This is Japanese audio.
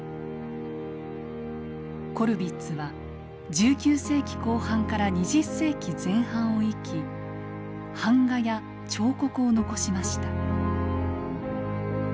コルヴィッツは１９世紀後半から２０世紀前半を生き版画や彫刻を残しました。